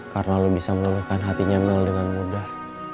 karena lo bisa meluluhkan hatinya mel dengan mudah